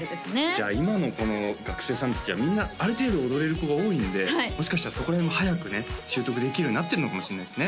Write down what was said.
じゃあ今のこの学生さん達はみんなある程度踊れる子が多いのでもしかしたらそこで早くね習得できるようになってるのかもしれないですね